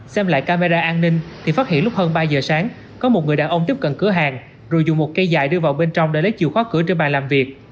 xem lại camera an ninh thì phát hiện lúc hơn ba giờ sáng có một người đàn ông tiếp cận cửa hàng rồi dùng một cây dài đưa vào bên trong để lấy chìa khóa cửa trên bàn làm việc